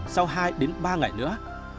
sau hai đến ba ngày nữa